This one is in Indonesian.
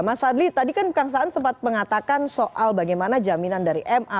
mas fadli tadi kan kang saan sempat mengatakan soal bagaimana jaminan dari ma